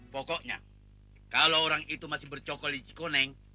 pokoknya kalau orang itu masih bercokol licikoneng